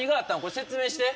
説明して。